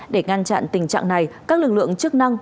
để ngăn chặn tình trạng này các lực lượng chức năng